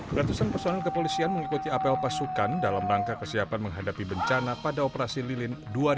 beratusan personel kepolisian mengikuti apel pasukan dalam rangka kesiapan menghadapi bencana pada operasi lilin dua ribu dua puluh